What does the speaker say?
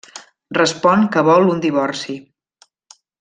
Respon que vol un divorci.